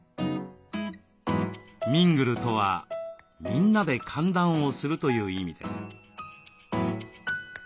「みんぐる」とはみんなで歓談をするという意味です。